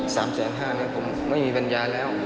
๓๕๐๐๐๐บาทผมไม่มีปัญญาแล้ว